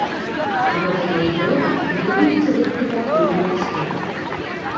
Воцатнае дрэва культывуецца як дэкаратыўная расліна.